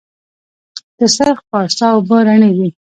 د سرخ پارسا اوبه رڼې دي